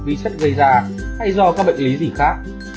vi chất gây ra hay do các bệnh lý gì khác